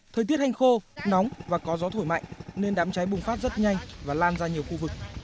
thời tiết hành khô nóng và có gió thổi mạnh nên đám cháy bùng phát rất nhanh và lan ra nhiều khu vực